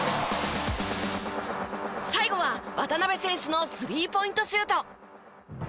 最後は渡邊選手のスリーポイントシュート。